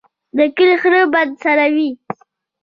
د کلي خره به څروي.